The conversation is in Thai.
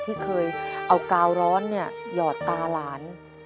ที่เคยเอากาวร้อนหยอดตาหลาน